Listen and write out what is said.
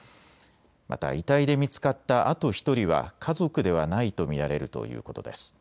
また遺体で見つかったあと１人は家族ではないと見られるということです。